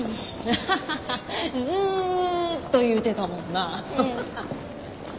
あはははずっと言うてたもんな。